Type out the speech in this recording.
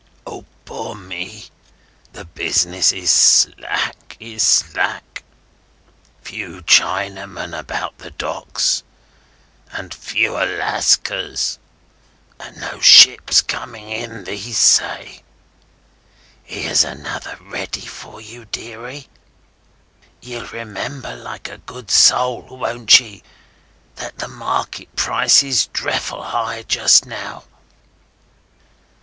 Ah, poor me, the business is slack, is slack! Few Chinamen about the Docks, and fewer Lascars, and no ships coming in, these say! Here's another ready for ye, deary. Ye'll remember like a good soul, won't ye, that the market price is dreffle high just now?